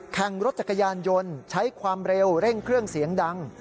แข่งรถจักรยานยนต์ใช้ความเร็วเร่งเครื่องเสียงดัง